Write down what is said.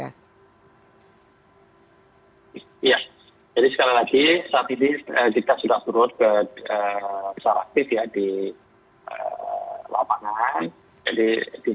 iya jadi sekali lagi saat ini kita sudah turut secara aktif ya di lapangan